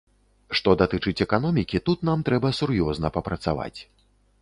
Што датычыць эканомікі, тут нам трэба сур'ёзна папрацаваць.